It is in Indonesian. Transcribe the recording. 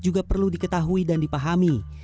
juga perlu diketahui dan dipahami